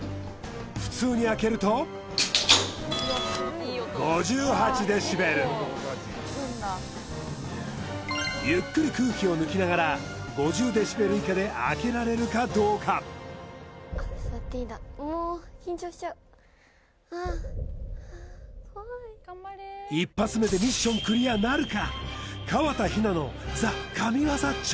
普通に開けるとゆっくり空気を抜きながら５０デシベル以下で開けられるかどうかあっ座っていいんだおおはあ怖い一発目でミッションクリアなるか？